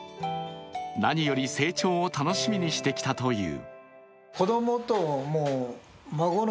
何より成長を楽しみにしてきたという。